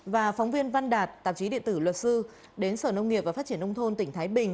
và phóng viên văn đạt tạp chí điện tử luật sư đến sở nông nghiệp và phát triển nông thôn tỉnh thái bình